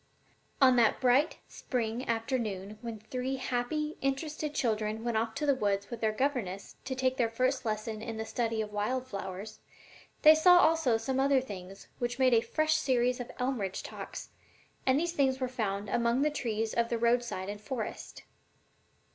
_ On that bright spring afternoon when three happy, interested children went off to the woods with their governess to take their first lesson in the study of wild flowers, they saw also some other things which made a fresh series of "Elmridge Talks," and these things were found among the trees of the roadside and forest.